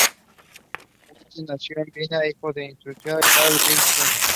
Wittgenstein nació en Viena, hijo del industrial Karl Wittgenstein.